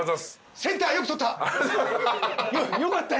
センターよく取った。